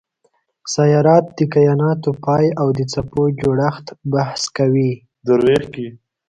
سیارات د کایناتو پای او د څپو جوړښت بحث کوي.